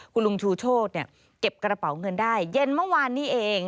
คุณลุงชูโชธเก็บกระเป๋าเงินได้เย็นเมื่อวานนี้เอง